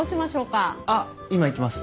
あっ今行きます。